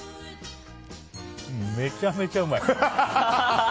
めちゃめちゃうまい！